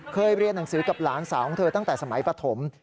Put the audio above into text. เคยเรียนหนังสือกับหลานสาวของเธอตั้งแต่สมัยปฐม